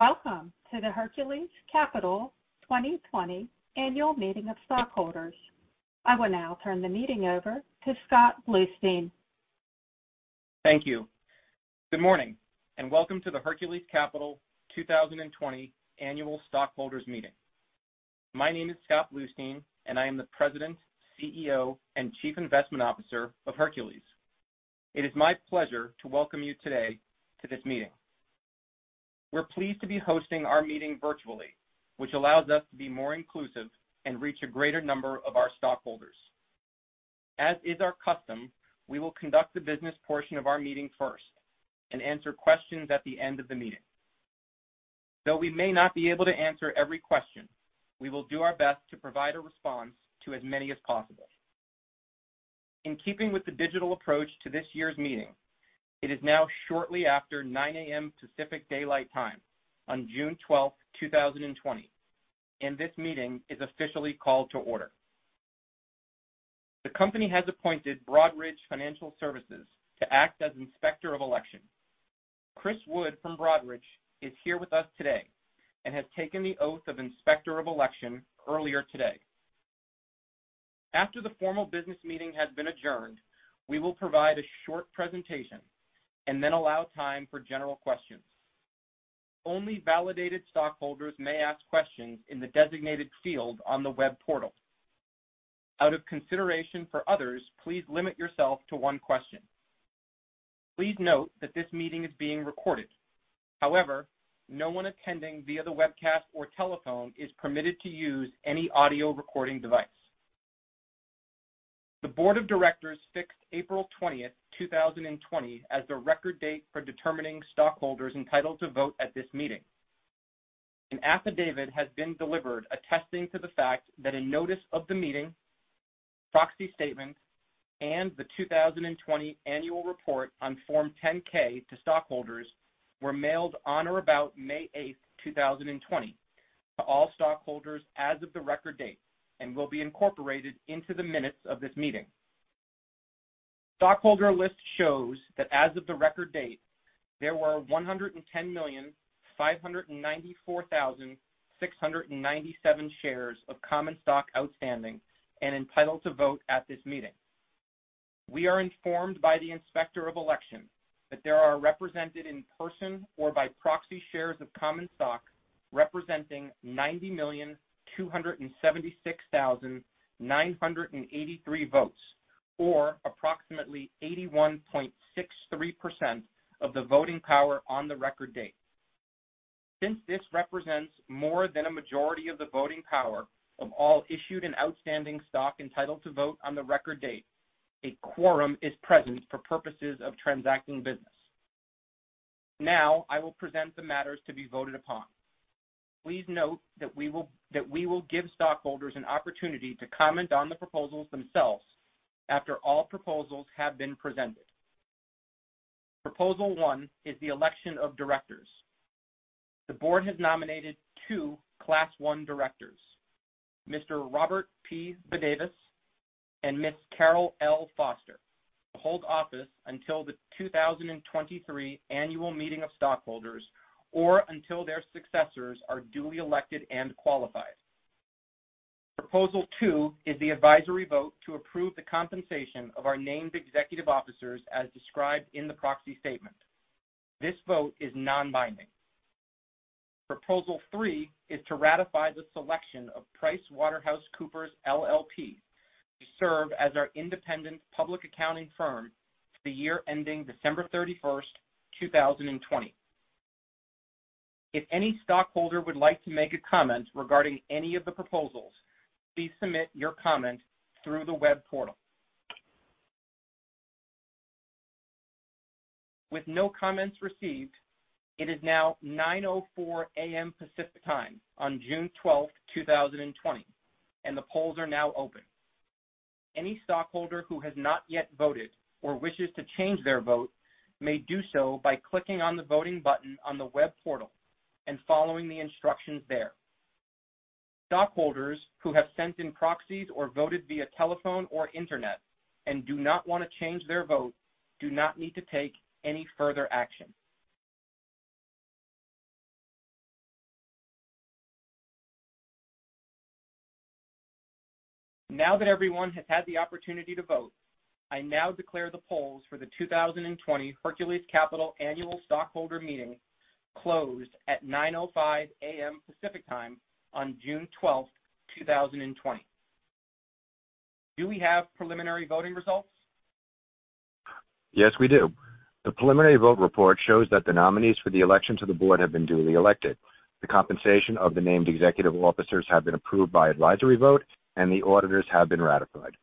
Welcome to the Hercules Capital 2020 Annual Meeting of Stockholders. I will now turn the meeting over to Scott Bluestein. Thank you. Good morning and welcome to the Hercules Capital 2020 Annual Stockholders' Meeting. My name is Scott Bluestein, and I am the President, CEO, and Chief Investment Officer of Hercules. It is my pleasure to welcome you today to this meeting. We're pleased to be hosting our meeting virtually, which allows us to be more inclusive and reach a greater number of our stockholders. As is our custom, we will conduct the business portion of our meeting first and answer questions at the end of the meeting. Though we may not be able to answer every question, we will do our best to provide a response to as many as possible. In keeping with the digital approach to this year's meeting, it is now shortly after 9:00 A.M. Pacific Daylight Time on June 12, 2020, and this meeting is officially called to order. The company has appointed Broadridge Financial Services to act as Inspector of Election. Chris Wood from Broadridge is here with us today and has taken the oath of Inspector of Election earlier today. After the formal business meeting has been adjourned, we will provide a short presentation and then allow time for general questions. Only validated stockholders may ask questions in the designated field on the web portal. Out of consideration for others, please limit yourself to one question. Please note that this meeting is being recorded. However, no one attending via the webcast or telephone is permitted to use any audio recording device. The Board of Directors fixed April 20, 2020, as the record date for determining stockholders entitled to vote at this meeting. An affidavit has been delivered attesting to the fact that a notice of the meeting, proxy statement, and the 2020 Annual Report on Form 10-K to stockholders were mailed on or about May 8, 2020, to all stockholders as of the record date and will be incorporated into the minutes of this meeting. Stockholder list shows that as of the record date, there were 110,594,697 shares of common stock outstanding and entitled to vote at this meeting. We are informed by the Inspector of Election that there are represented in person or by proxy shares of common stock representing 90,276,983 votes, or approximately 81.63% of the voting power on the record date. Since this represents more than a majority of the voting power of all issued and outstanding stock entitled to vote on the record date, a quorum is present for purposes of transacting business. Now, I will present the matters to be voted upon. Please note that we will give stockholders an opportunity to comment on the proposals themselves after all proposals have been presented. Proposal one is the election of directors. The board has nominated two Class 1 directors, Mr. Robert P. Badavas and Ms. Carol L. Foster, to hold office until the 2023 Annual Meeting of Stockholders or until their successors are duly elected and qualified. Proposal two is the advisory vote to approve the compensation of our named executive officers as described in the proxy statement. This vote is non-binding. Proposal three is to ratify the selection of PricewaterhouseCoopers LLP to serve as our independent public accounting firm for the year ending December 31, 2020. If any stockholder would like to make a comment regarding any of the proposals, please submit your comment through the web portal. With no comments received, it is now 9:04 A.M. Pacific Time on June 12, 2020, and the polls are now open. Any stockholder who has not yet voted or wishes to change their vote may do so by clicking on the voting button on the web portal and following the instructions there. Stockholders who have sent in proxies or voted via telephone or internet and do not want to change their vote do not need to take any further action. Now that everyone has had the opportunity to vote, I now declare the polls for the 2020 Hercules Capital Annual Stockholder Meeting closed at 9:05 A.M. Pacific Time on June 12, 2020. Do we have preliminary voting results? Yes, we do. The preliminary vote report shows that the nominees for the election to the Board have been duly elected, the compensation of the named executive officers has been approved by advisory vote, and the auditors have been ratified.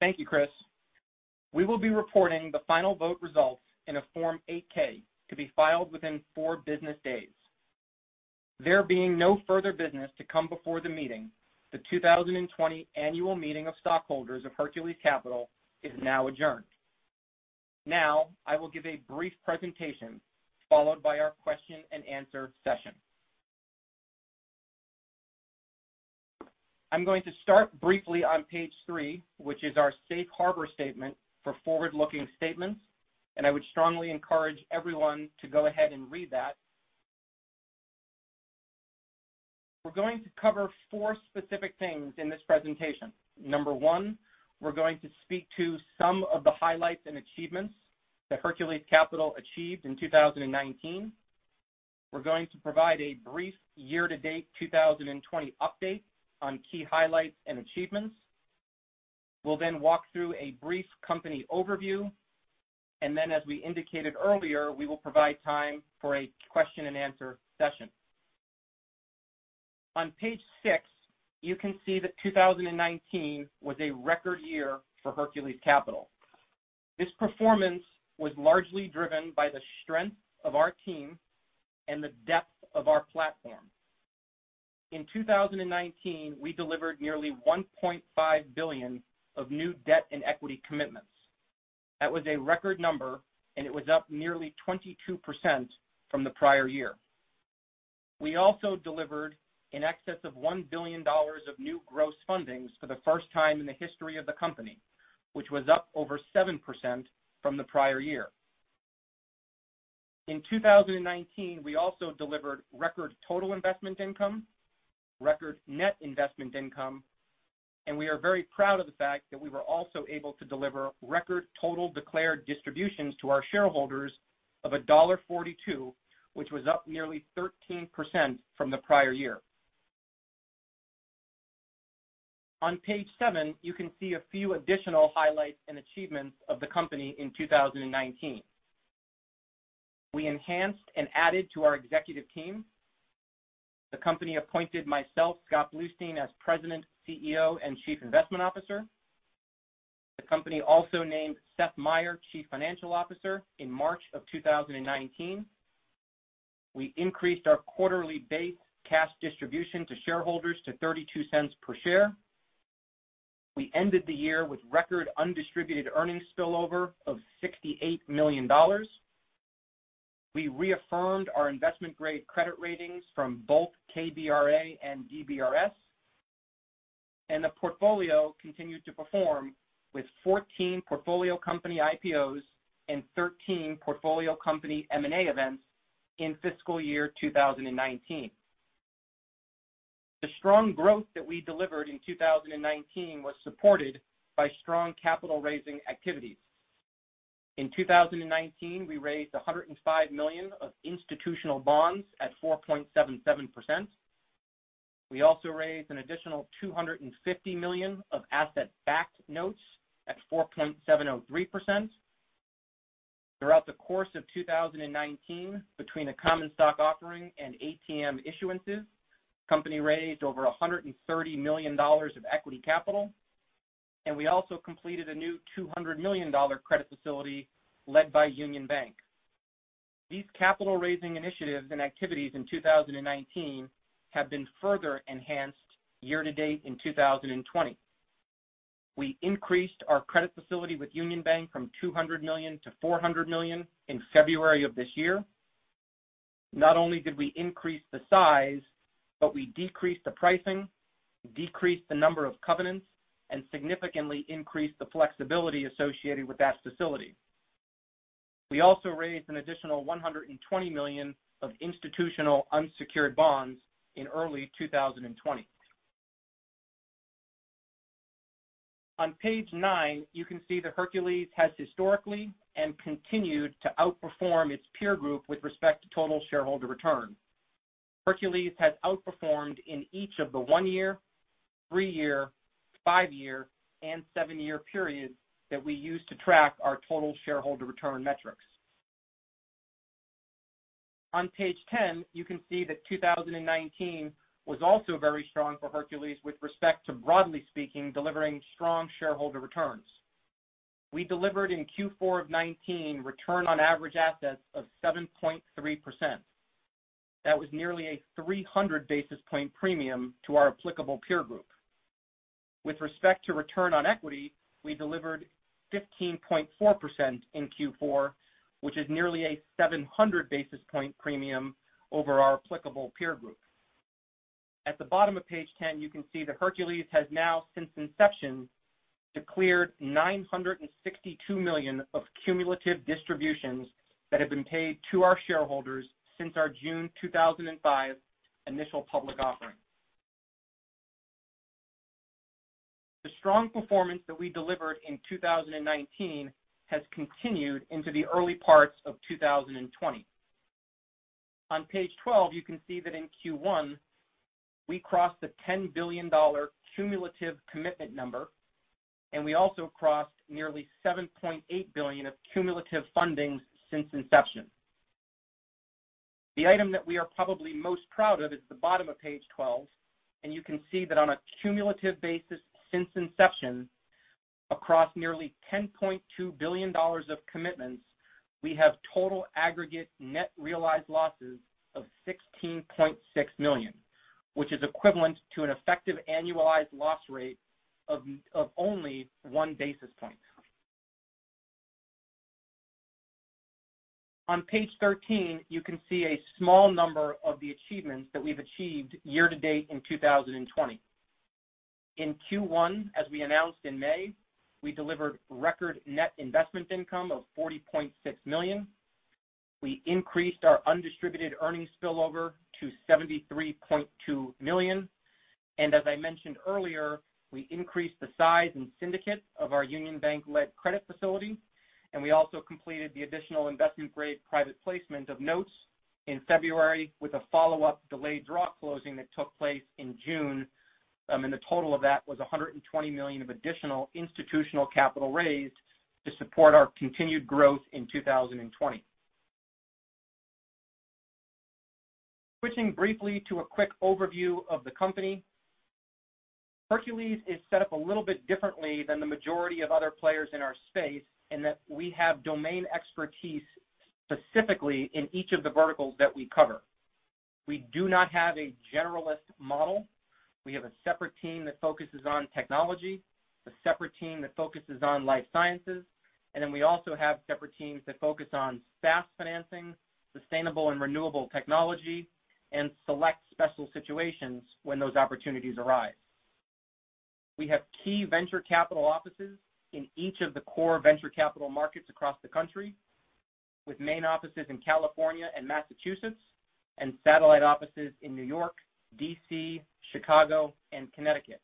Thank you, Chris. We will be reporting the final vote results in a Form 8-K to be filed within four business days. There being no further business to come before the meeting, the 2020 Annual Meeting of Stockholders of Hercules Capital is now adjourned. Now, I will give a brief presentation followed by our question-and-answer session. I'm going to start briefly on page three, which is our safe harbor statement for forward-looking statements, and I would strongly encourage everyone to go ahead and read that. We're going to cover four specific things in this presentation. Number one, we're going to speak to some of the highlights and achievements that Hercules Capital achieved in 2019. We're going to provide a brief year-to-date 2020 update on key highlights and achievements. We'll then walk through a brief company overview, and then, as we indicated earlier, we will provide time for a question-and-answer session. On page six, you can see that 2019 was a record year for Hercules Capital. This performance was largely driven by the strength of our team and the depth of our platform. In 2019, we delivered nearly $1.5 billion of new debt and equity commitments. That was a record number, and it was up nearly 22% from the prior year. We also delivered in excess of $1 billion of new gross fundings for the first time in the history of the company, which was up over 7% from the prior year. In 2019, we also delivered record total investment income, record net investment income, and we are very proud of the fact that we were also able to deliver record total declared distributions to our shareholders of $1.42, which was up nearly 13% from the prior year. On page seven, you can see a few additional highlights and achievements of the company in 2019. We enhanced and added to our executive team. The company appointed myself, Scott Bluestein, as President, CEO, and Chief Investment Officer. The company also named Seth Meyer, Chief Financial Officer, in March of 2019. We increased our quarterly base cash distribution to shareholders to $0.32 per share. We ended the year with record undistributed earnings spillover of $68 million. We reaffirmed our investment-grade credit ratings from both KBRA and DBRS, and the portfolio continued to perform with 14 portfolio company IPOs and 13 portfolio company M&A events in fiscal year 2019. The strong growth that we delivered in 2019 was supported by strong capital-raising activities. In 2019, we raised $105 million of institutional bonds at 4.77%. We also raised an additional $250 million of asset-backed notes at 4.703%. Throughout the course of 2019, between a common stock offering and ATM issuances, the company raised over $130 million of equity capital, and we also completed a new $200 million credit facility led by Union Bank. These capital-raising initiatives and activities in 2019 have been further enhanced year-to-date in 2020. We increased our credit facility with Union Bank from $200 million to $400 million in February of this year. Not only did we increase the size, but we decreased the pricing, decreased the number of covenants, and significantly increased the flexibility associated with that facility. We also raised an additional $120 million of institutional unsecured bonds in early 2020. On page nine, you can see that Hercules has historically and continued to outperform its peer group with respect to total shareholder return. Hercules has outperformed in each of the one-year, three-year, five-year, and seven-year periods that we use to track our total shareholder return metrics. On page ten, you can see that 2019 was also very strong for Hercules with respect to, broadly speaking, delivering strong shareholder returns. We delivered in Q4 of 2019 return on average assets of 7.3%. That was nearly a 300 basis point premium to our applicable peer group. With respect to return on equity, we delivered 15.4% in Q4, which is nearly a 700 basis point premium over our applicable peer group. At the bottom of page ten, you can see that Hercules has now, since inception, declared $962 million of cumulative distributions that have been paid to our shareholders since our June 2005 initial public offering. The strong performance that we delivered in 2019 has continued into the early parts of 2020. On page 12, you can see that in Q1, we crossed the $10 billion cumulative commitment number, and we also crossed nearly $7.8 billion of cumulative fundings since inception. The item that we are probably most proud of is the bottom of page 12, and you can see that on a cumulative basis since inception, across nearly $10.2 billion of commitments, we have total aggregate net realized losses of $16.6 million, which is equivalent to an effective annualized loss rate of only one basis point. On page 13, you can see a small number of the achievements that we've achieved year-to-date in 2020. In Q1, as we announced in May, we delivered record net investment income of $40.6 million. We increased our undistributed earnings spillover to $73.2 million. As I mentioned earlier, we increased the size and syndicate of our Union Bank-led credit facility, and we also completed the additional investment-grade private placement of notes in February with a follow-up delayed draw closing that took place in June. The total of that was $120 million of additional institutional capital raised to support our continued growth in 2020. Switching briefly to a quick overview of the company, Hercules is set up a little bit differently than the majority of other players in our space in that we have domain expertise specifically in each of the verticals that we cover. We do not have a generalist model. We have a separate team that focuses on technology, a separate team that focuses on life sciences, and then we also have separate teams that focus on SaaS financing, sustainable and renewable technology, and select special situations when those opportunities arise. We have key venture capital offices in each of the core venture capital markets across the country, with main offices in California and Massachusetts and satellite offices in New York, D.C., Chicago, and Connecticut.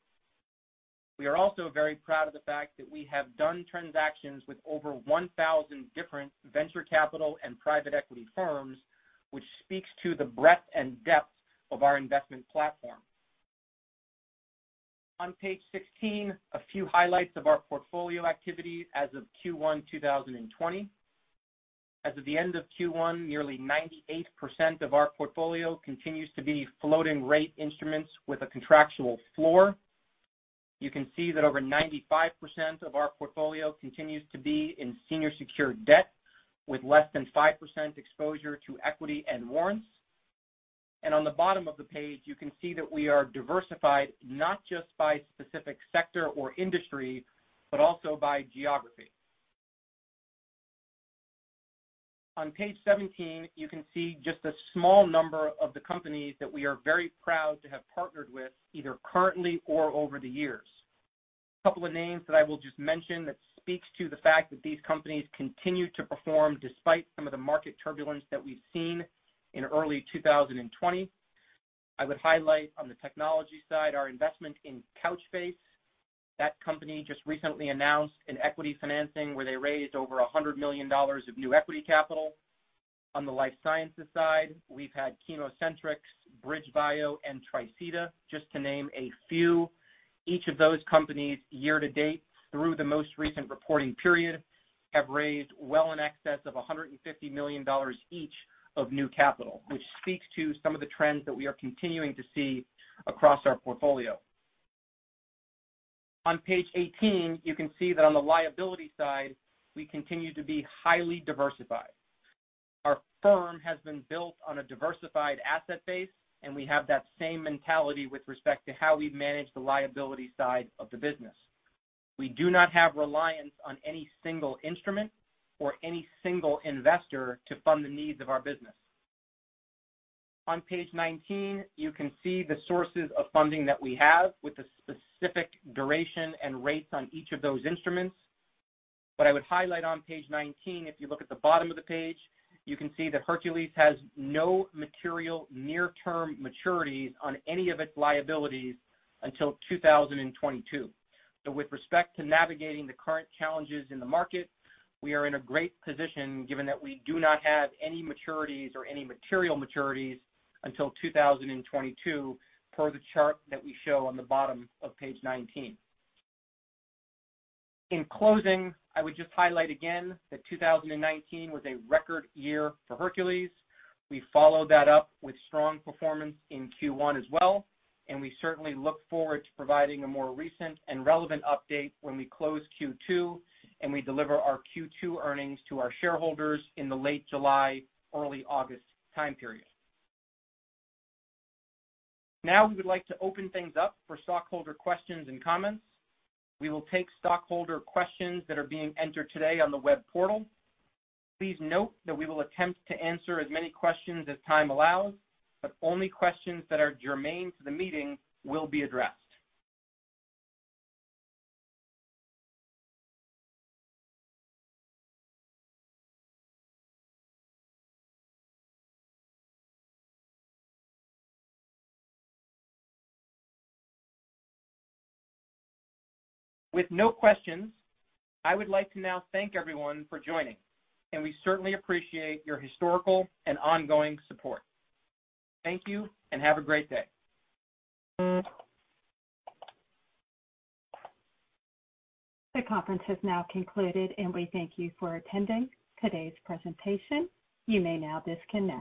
We are also very proud of the fact that we have done transactions with over 1,000 different venture capital and private equity firms, which speaks to the breadth and depth of our investment platform. On page 16, a few highlights of our portfolio activity as of Q1 2020. As of the end of Q1, nearly 98% of our portfolio continues to be floating-rate instruments with a contractual floor. You can see that over 95% of our portfolio continues to be in senior secured debt with less than 5% exposure to equity and warrants. And on the bottom of the page, you can see that we are diversified not just by specific sector or industry, but also by geography. On page 17, you can see just a small number of the companies that we are very proud to have partnered with either currently or over the years. A couple of names that I will just mention that speaks to the fact that these companies continue to perform despite some of the market turbulence that we've seen in early 2020. I would highlight on the technology side our investment in Couchbase. That company just recently announced an equity financing where they raised over $100 million of new equity capital. On the life sciences side, we've had ChemoCentryx, BridgeBio, and Tricida, just to name a few. Each of those companies year-to-date through the most recent reporting period have raised well in excess of $150 million each of new capital, which speaks to some of the trends that we are continuing to see across our portfolio. On page 18, you can see that on the liability side, we continue to be highly diversified. Our firm has been built on a diversified asset base, and we have that same mentality with respect to how we've managed the liability side of the business. We do not have reliance on any single instrument or any single investor to fund the needs of our business. On page 19, you can see the sources of funding that we have with the specific duration and rates on each of those instruments. But I would highlight on page 19, if you look at the bottom of the page, you can see that Hercules has no material near-term maturities on any of its liabilities until 2022. So with respect to navigating the current challenges in the market, we are in a great position given that we do not have any maturities or any material maturities until 2022 per the chart that we show on the bottom of page 19. In closing, I would just highlight again that 2019 was a record year for Hercules. We followed that up with strong performance in Q1 as well, and we certainly look forward to providing a more recent and relevant update when we close Q2 and we deliver our Q2 earnings to our shareholders in the late July, early August time period. Now we would like to open things up for stockholder questions and comments. We will take stockholder questions that are being entered today on the web portal. Please note that we will attempt to answer as many questions as time allows, but only questions that are germane to the meeting will be addressed. With no questions, I would like to now thank everyone for joining, and we certainly appreciate your historical and ongoing support. Thank you and have a great day. The conference has now concluded, and we thank you for attending today's presentation. You may now disconnect.